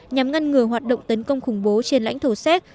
nhằm ngăn ngừa hoạt động tấn công khủng bố trên lãnh thổ séc